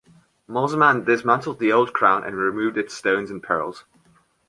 Mosman dismantled the old crown and removed its stones and pearls.